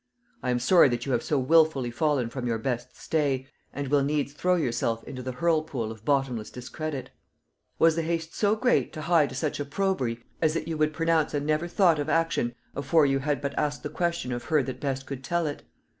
I am sorry that you have so wilfully fallen from your best stay, and will needs throw yourself into the hurlpool of bottomless discredit. Was the haste so great to hie to such opprobry as that you would pronounce a never thought of action afore you had but asked the question of her that best could tell it?